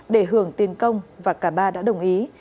để hưởng tiền công và cả ba đã đồng ý